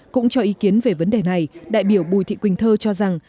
cũng cho ý kiến về vấn đề này đại biểu bùi thị quỳnh thơ cho rằng